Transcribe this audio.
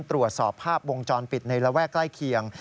ตรวจสอบภาพวงจรปิดในระแวกใกล้เคียง